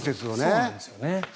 そうなんですよ。